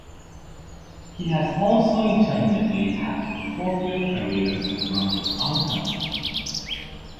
He has also intermittently had portfolio careers and run his own companies.